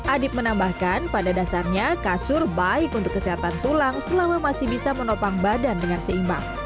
adib menambahkan pada dasarnya kasur baik untuk kesehatan tulang selama masih bisa menopang badan dengan seimbang